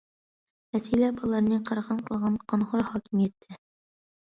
مەسىلە بالىلارنى قىرغىن قىلغان قانخور ھاكىمىيەتتە.